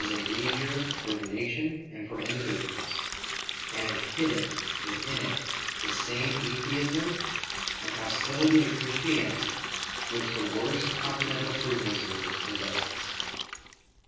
a danger for the nation and for individuals, and has hidden within it the same Atheism and hostility to Christianity which the worst Continental Freemasonry possesses.